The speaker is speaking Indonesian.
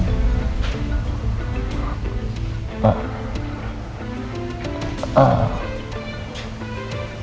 ini saya aldebaran